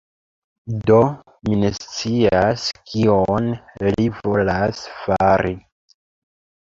Do, mi ne scias kion li volas fari.